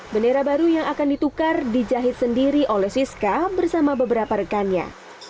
bendera baru yang akan ditukar dijahit sendiri oleh siska bersama beberapa rekannya